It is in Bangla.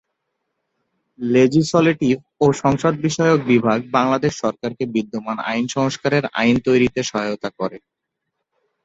লেজিসলেটিভ ও সংসদ বিষয়ক বিভাগ বাংলাদেশ সরকারকে বিদ্যমান আইন সংস্কারের আইন তৈরিতে সহায়তা করে।